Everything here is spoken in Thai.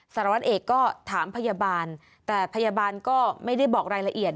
สารวัตเอกก็ถามพยาบาลแต่พยาบาลก็ไม่ได้บอกรายละเอียด